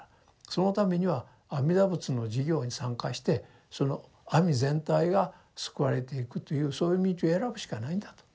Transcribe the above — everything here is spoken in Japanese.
そのためには阿弥陀仏の事業に参加してその網全体が救われていくというそういう道を選ぶしかないんだと。